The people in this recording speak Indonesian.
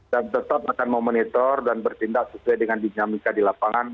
dan tetap akan memonitor dan bertindak sesuai dengan dinamika di lapangan